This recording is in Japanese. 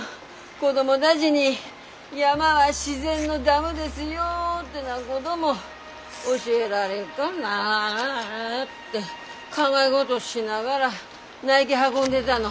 子供だぢに山は自然のダムですよってなごども教えられっかなって考えごどしながら苗木運んでだの。